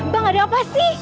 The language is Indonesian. bang ada apa sih